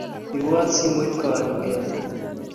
Pirwan simot kaun kemwa